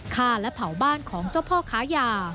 ฆ่าและเผาบ้านของเจ้าพ่อค้ายา